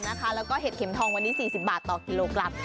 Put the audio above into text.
แล้วก็เห็ดเข็มทองวันนี้๔๐บาทต่อกิโลกรัม